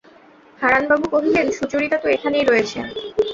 হারানবাবু কহিলেন, সুচরিতা তো এখানেই রয়েছেন।